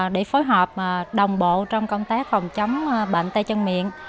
để phối hợp đồng bộ trong công tác phòng chống bệnh tay chân miệng